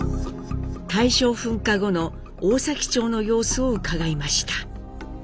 大正噴火後の大崎町の様子を伺いました。